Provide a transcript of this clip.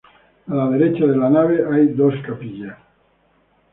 A la derecha de la nave hay dos capillas.